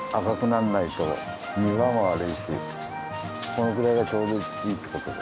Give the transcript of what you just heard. このぐらいがちょうどいいって事で。